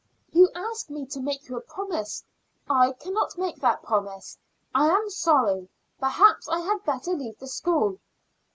You ask me to make you a promise. I cannot make that promise. I am sorry. Perhaps I had better leave the school."